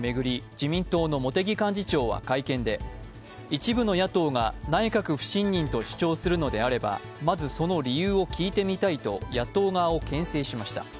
自民党の茂木幹事長は会見で一部の野党が内閣不信任と主張するのであればまずその理由を聞いてみたいと野党側をけん制しました。